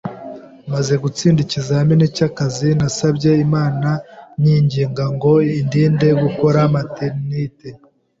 Maze gutsinda ikizamini cy’akazi; Nasabye Imana nyinginga ngo indinde gukora Maternité